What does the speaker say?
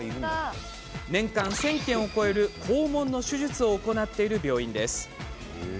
年間１０００件を超える肛門の手術を行っている病院です。